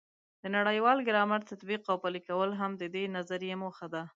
د نړیوال ګرامر تطبیق او پلي کول هم د دې نظریې موخه ده.